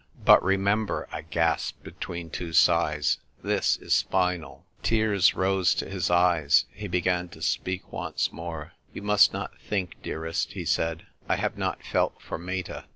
"But remember," I gasped, between two sighs, "this is final." Tears rose to his eyes. He began to speak once more. " You must not think, dearest," he said, " I have not felt for Meta.